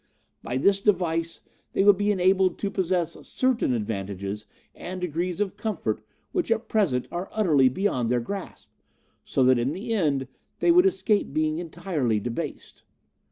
By this device they would be enabled to possess certain advantages and degrees of comfort which at present are utterly beyond their grasp, so that in the end they would escape being entirely debased.